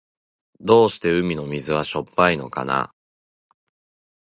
どうして海の水はしょっぱいのかな。